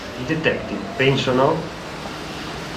I detective pensano?